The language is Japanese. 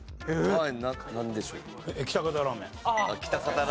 はい。